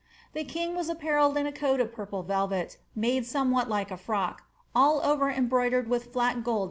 The king was apparelled in a coat of purple velvet, made somewhat like a frock, all over embroidered with flat gold 'Marillac's Despatches.